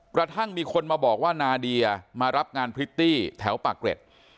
กระทั่งมีคนมาบอกว่านาเดียมารับงานพริตตี้แถวปากเกร็ด